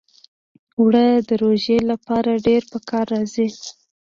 اوړه د روژې لپاره ډېر پکار راځي